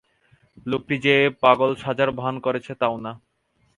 লোকটি যে পাগল সাজার ভান করছে তাও না।